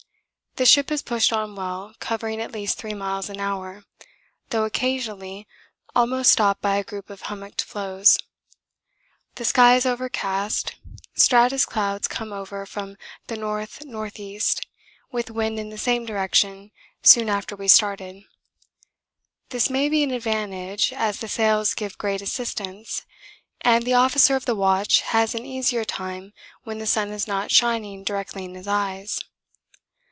The ship has pushed on well, covering at least 3 miles an hour, though occasionally almost stopped by a group of hummocked floes. The sky is overcast: stratus clouds come over from the N.N.E. with wind in the same direction soon after we started. This may be an advantage, as the sails give great assistance and the officer of the watch has an easier time when the sun is not shining directly in his eyes.